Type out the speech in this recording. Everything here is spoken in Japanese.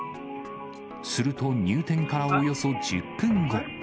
すると入店からおよそ１０分後。